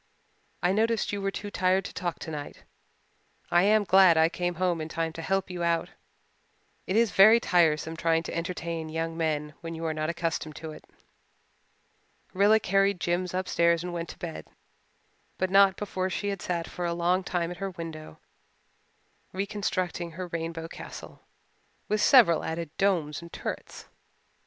"I noticed you were too tired to talk tonight. I am glad I came home in time to help you out. It is very tiresome trying to entertain young men when you are not accustomed to it." Rilla carried Jims upstairs and went to bed, but not before she had sat for a long time at her window reconstructing her rainbow castle, with several added domes and turrets.